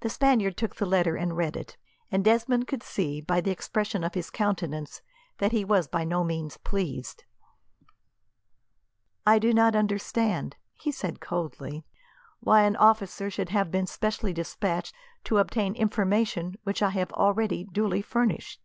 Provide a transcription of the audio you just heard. The Spaniard took the letter and read it, and Desmond could see, by the expression of his countenance, that he was by no means pleased. "I do not understand," he said coldly, "why an officer should have been specially despatched to obtain information which I have already duly furnished."